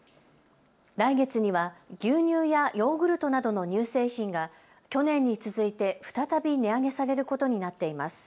来月には牛乳やヨーグルトなどの乳製品が去年に続いて再び値上げされることになっています。